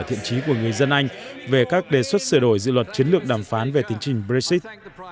thiện trí của người dân anh về các đề xuất sửa đổi dự luật chiến lược đàm phán về tiến trình brexit